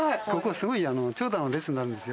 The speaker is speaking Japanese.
すごい長蛇の列になるんです